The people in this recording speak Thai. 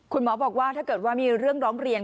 คุณหมอบอกว่าถ้าเกิดว่ามีเรื่องร้องเรียน